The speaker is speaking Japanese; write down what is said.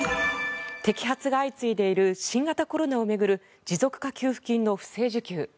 摘発が相次いでいる新型コロナを巡る持続化給付金の不正受給。